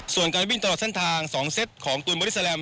ส่วนการวิ่งตลอดเส้นทาง๒เซตของตูนบริสแลม